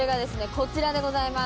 こちらでございます。